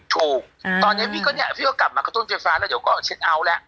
ถูกตอนนี้พี่ก็เนี่ยพี่ก็กลับมากระตุ้นไฟฟ้าแล้วเดี๋ยวก็เช็คเอาท์แล้ว